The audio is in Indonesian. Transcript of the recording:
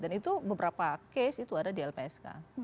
dan itu beberapa case itu ada di lpsk